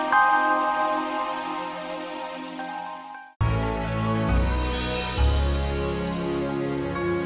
kau tak masuk ke maskasin